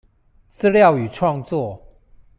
資料與創作